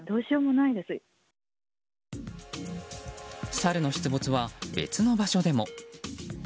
サルの出没は別の場所でも。